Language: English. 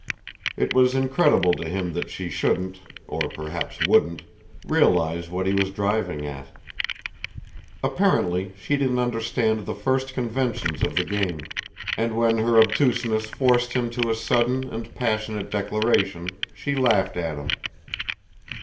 It was incredible to him that she shouldn't or perhaps wouldn't realise what he was driving at. Apparently she didn't understand the first conventions of the game, and when her obtuseness forced him to a sudden and passionate declaration she laughed at him.